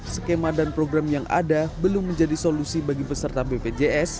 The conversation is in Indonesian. skema dan program yang ada belum menjadi solusi bagi peserta bpjs